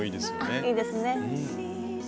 あいいですね。